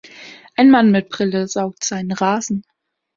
Ein Mann mit Brille saugt seinen Rasen.